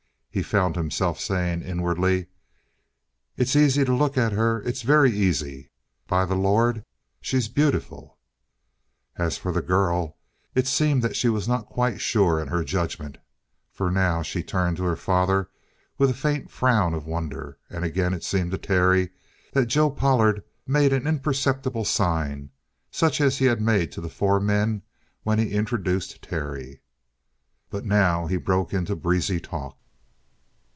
He found himself saying inwardly: "It's easy to look at her. It's very easy. By the Lord, she's beautiful!" As for the girl, it seemed that she was not quite sure in her judgment. For now she turned to her father with a faint frown of wonder. And again it seemed to Terry that Joe Pollard made an imperceptible sign, such as he had made to the four men when he introduced Terry. But now he broke into breezy talk.